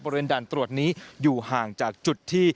ด่านตรวจนี้อยู่ห่างจากจุดที่